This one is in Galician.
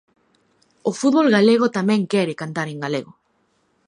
O fútbol galego tamén quere cantar en galego.